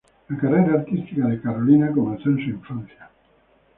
La carrera artística de Carolina comenzó en su infancia.